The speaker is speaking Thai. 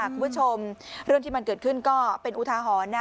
คุณผู้ชมเรื่องที่มันเกิดขึ้นก็เป็นอุทาหรณ์นะ